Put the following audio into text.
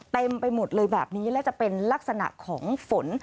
เต็มไปหมดเลยแบบนี้และจะเป็นลักษณะของฝน